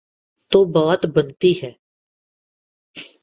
تو بات بنتی ہے۔